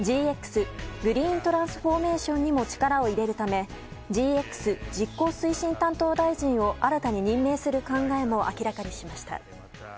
ＧＸ・グリーントランスフォーメーションにも力を入れるためＧＸ実行推進担当大臣を新たに任命する考えも明らかにしました。